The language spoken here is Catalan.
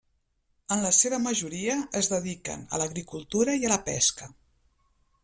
En la seva majoria es dediquen a l'agricultura i la pesca.